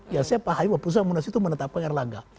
ya saya pahami bahwa pusat munas itu menetapkan erlangga